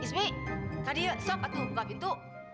ismi tadi sok atuh buka pintu